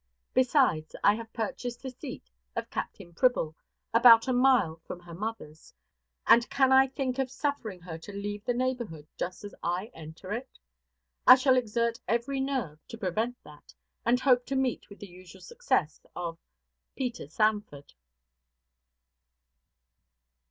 Besides, I have purchased the seat of Captain Pribble, about a mile from her mother's; and can I think of suffering her to leave the neighborhood just as I enter it? I shall exert every nerve to prevent that, and hope to meet with the usual success of PETER SANFORD.